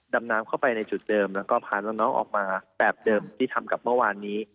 ดำน้ำเข้าไปในจุดเดิมแล้วก็พาน้องออกมาแบบเดิมที่ทำกับเมื่อวานนี้